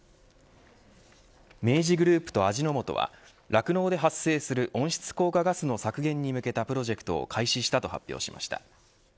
明治グループと味の素は酪農で発生する温室効果ガスの削減に向けたプロジェクトを開始したと発表しました。